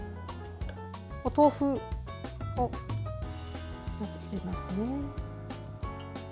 お豆腐を入れますね。